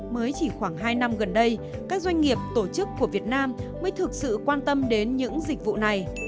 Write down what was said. mới chỉ khoảng hai năm gần đây các doanh nghiệp tổ chức của việt nam mới thực sự quan tâm đến những dịch vụ này